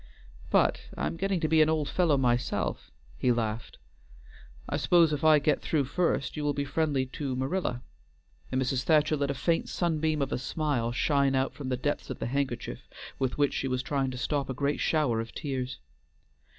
But I'm getting to be an old fellow myself," he laughed. "I suppose if I get through first you will be friendly to Marilla?" and Mrs. Thacher let a faint sunbeam of a smile shine out from the depths of the handkerchief with which she was trying to stop a great shower of tears.